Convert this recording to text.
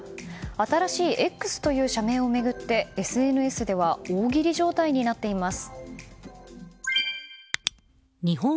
新しいＸという社名を巡ってＳＮＳでは大喜利状態になっています。